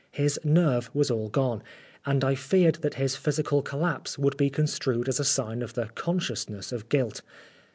His nerve was all gone, and I feared that his physical collapse would be construed as a sign of the consciousness of guilt.